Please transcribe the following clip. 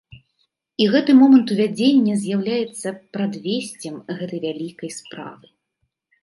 І гэты момант увядзення з'яўляецца прадвесцем гэтай вялікай справы.